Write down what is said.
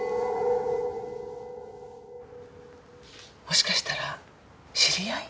もしかしたら知り合い？